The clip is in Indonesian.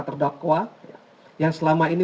terdakwa yang selama ini